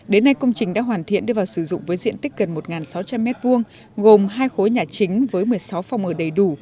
đến nay công trình đã hoàn thiện đưa vào sử dụng với diện tích gần một sáu trăm linh m hai gồm hai khối nhà chính với một mươi sáu phòng ở đầy đủ